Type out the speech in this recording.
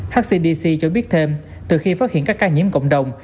hcdc cho biết thêm từ khi phát hiện các ca nhiễm cộng đồng